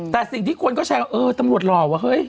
แต่สิ่งที่คนก็แชร์ว่าเออตำรวจหล่อว่ะเฮ้ย